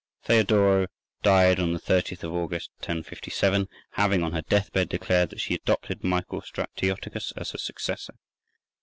Theodora died on the 30th of August, 1057, having on her death bed declared that she adopted Michael Stratioticus as her successor.